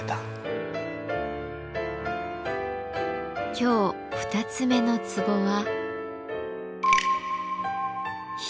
今日二つ目のツボは。